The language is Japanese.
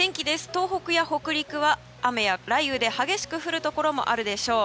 東北や北陸は雨や雷雨で激しく降るところもあるでしょう。